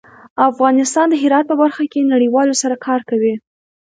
افغانستان د هرات په برخه کې نړیوالو سره کار کوي.